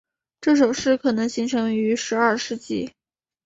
这首诗可能形成于十二世纪。